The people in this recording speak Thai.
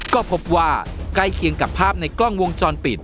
ก็พบว่าใกล้เคียงกับภาพในกล้องวงจรปิด